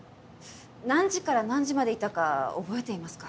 何時から何時までいたか覚えていますか？